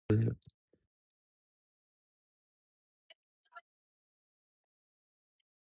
When that date passed, he lost the majority of his supporters.